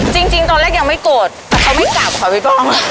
จริงตอนแรกยังไม่โกรธแต่เขาไม่กลับค่ะพี่ป้อง